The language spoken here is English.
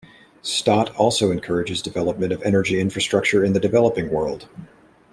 Stott also encourages development of energy infrastructure in the developing world.